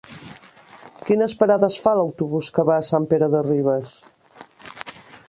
Quines parades fa l'autobús que va a Sant Pere de Ribes?